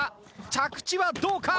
着地はどうか？